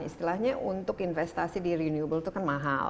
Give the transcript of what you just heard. istilahnya untuk investasi di renewable itu kan mahal